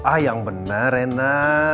ah yang benar rena